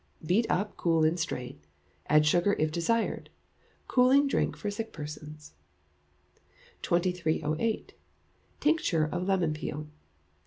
Beat up, cool, and strain. Add sugar if desired. Cooling drink for sick persons. 2308. Tincture of Lemon Peel.